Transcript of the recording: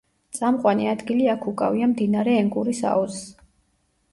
წამყვანი ადგილი აქ უკავია მდინარე ენგურის აუზს.